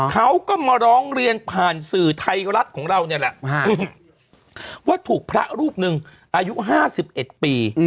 เขาก็มาร้องเรียนผ่านสื่อไทยรัฐของเราเนี่ยแหละว่าถูกพระรูปหนึ่งอายุ๕๑ปี